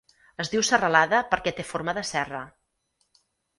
Es diu serralada perquè té forma de serra.